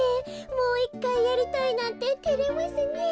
もういっかいやりたいなんててれますねえ。